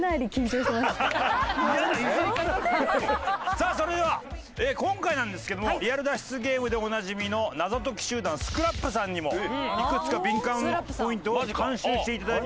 さあそれでは今回なんですけどもリアル脱出ゲームでおなじみの謎解き集団ＳＣＲＡＰさんにもいくつかビンカンポイントを監修して頂いております。